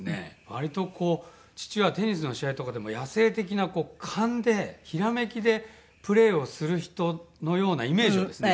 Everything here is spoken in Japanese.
割とこう父はテニスの試合とかでも野性的な勘でひらめきでプレーをする人のようなイメージをですね